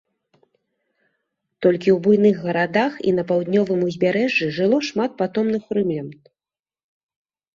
Толькі ў буйных гарадах і на паўднёвым узбярэжжы жыло шмат патомных рымлян.